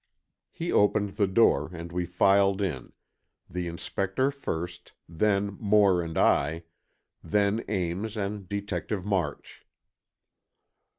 He opened the door, and we filed in, the Inspector first, then Moore and I, then Ames and Detective March.